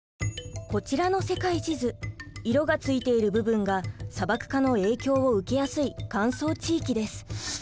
こちらの世界地図色がついている部分が砂漠化の影響を受けやすい乾燥地域です。